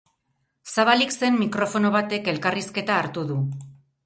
Zabalik zen mikrofono batek elkarrizketa hartu du.